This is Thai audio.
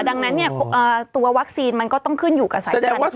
ดังนั้นตัววัคซีนมันก็ต้องขึ้นอยู่กับสายพันธุ์